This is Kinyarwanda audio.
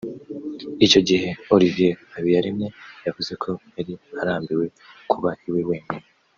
Icyo gihe Olivier Habiyaremye yavuze ko yari arambiwe kuba iwe wenyine